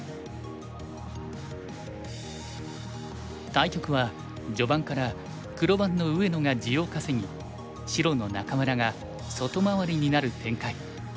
対局は序盤から黒番の上野が地を稼ぎ白の仲邑が外回りになる展開。